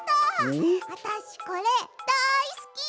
あたしこれだいすき！